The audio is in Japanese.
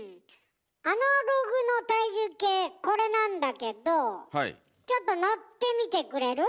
アナログの体重計これなんだけどちょっと乗ってみてくれる？